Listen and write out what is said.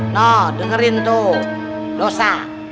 no dengerin tuh dosa